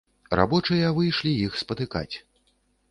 Рабочыя выйшлі іх спатыкаць.